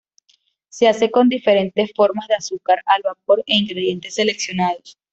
Se hace con diferentes formas de azúcar al vapor e ingredientes seleccionados.